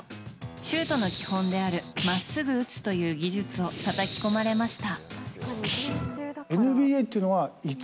シュートの基本である真っすぐ打つという技術をたたき込まれました。